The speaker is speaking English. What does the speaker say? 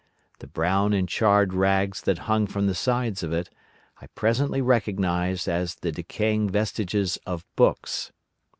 The brown and charred rags that hung from the sides of it, I presently recognised as the decaying vestiges of books.